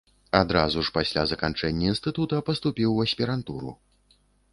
Адразу ж пасля заканчэння інстытута паступіў у аспірантуру.